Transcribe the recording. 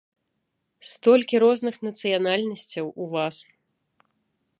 Столькі розных нацыянальнасцяў у вас.